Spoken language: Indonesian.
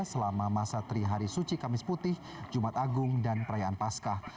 selama masa trihari suci kamis putih jumat agung dan perayaan paskah